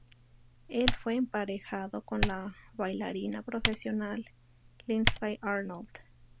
El fue emparejado con la bailarina profesional Lindsay Arnold.